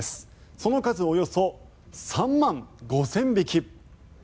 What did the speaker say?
その数およそ３万５０００匹。